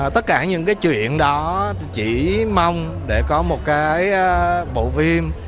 tất cả những chuyện đó chỉ mong để có một bộ phim